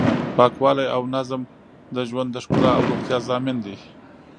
پاکوالی او نظم د ژوند د ښکلا او روغتیا ضامن دی.